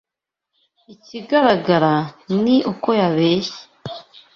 Ikigaragara ni uko yabeshye.